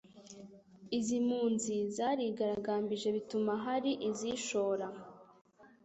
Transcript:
Izi mpunzi zarigaragambije bituma hari izishora